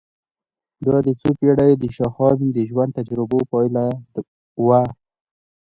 دا د څو پېړیو د شاهانه ژوند د تجربو پایله وه.